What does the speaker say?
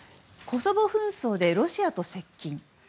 コソボ紛争でロシアと接近。